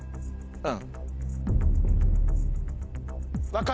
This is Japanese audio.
うん。